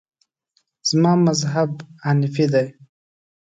زما مذهب حنیفي دی.